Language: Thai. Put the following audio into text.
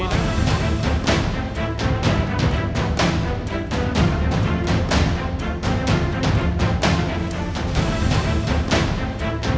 วางภาคกันเพื่อนของคุณไปด้วย